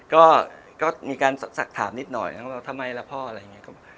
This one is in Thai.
ก็มีการสักถามนิดหน่อยทำไมล่ะพ่ออะไรอย่างนี้